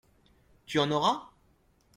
Tu en auras ?